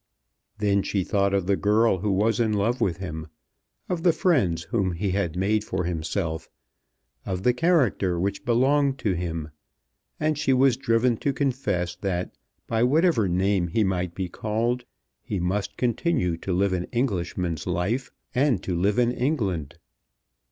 Then she thought of the girl who was in love with him, of the friends whom he had made for himself, of the character which belonged to him, and she was driven to confess that, by whatever name he might be called, he must continue to live an Englishman's life, and to live in England.